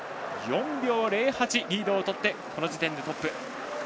４秒０８リードを持ってこの時点でトップ。